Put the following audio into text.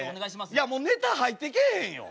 いやもうネタ入ってけえへんよ。